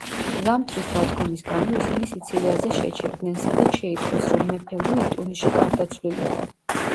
ზამთრის დადგომის გამო ისინი სიცილიაზე შეჩერდნენ, სადაც შეიტყვეს, რომ მეფე ლუი ტუნისში გარდაცვლილიყო.